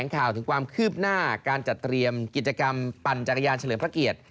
ข่าวถึงความคืบหน้าการจัดเตรียมกิจกรรมปั่นจักรยานเฉลิมพระเกียรติ